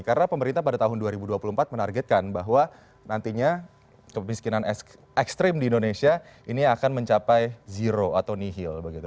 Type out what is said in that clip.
karena pemerintah pada tahun dua ribu dua puluh empat menargetkan bahwa nantinya kemiskinan ekstrim di indonesia ini akan mencapai zero atau nihil begitu